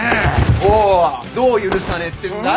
おうどう許さねえってんだ。